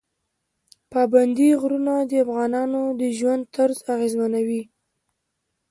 پابندی غرونه د افغانانو د ژوند طرز اغېزمنوي.